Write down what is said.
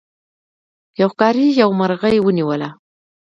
یو ښکاري یو مرغۍ ونیوله.